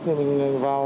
thì mình vào